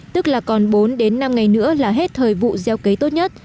tức là còn bốn đến năm ngày nữa là hết thời vụ gieo cấy tốt nhất